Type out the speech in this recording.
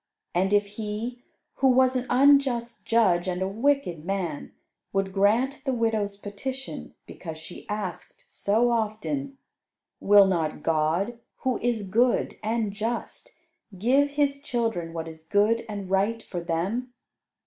And if he, who was an unjust judge and a wicked man, would grant the widow's petition, because she asked so often, will not God, who is good and just, give His children what is good and right for them?